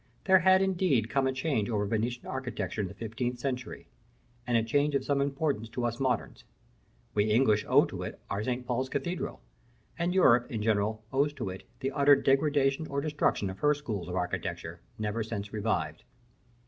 There had indeed come a change over Venetian architecture in the fifteenth century; and a change of some importance to us moderns: we English owe to it our St. Paul's Cathedral, and Europe in general owes to it the utter degradation or destruction of her schools of architecture, never since revived.